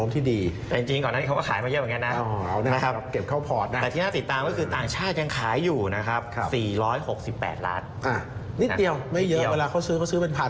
นิดเดียวไม่เยอะเวลาเขาซื้อเขาซื้อเป็นพัน